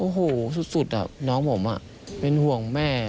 โอ้โหสุดน้องผมมีปัญหาแม่